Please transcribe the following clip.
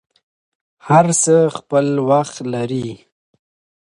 هر څه خپل وخت لري.